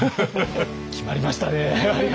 決まりましたね！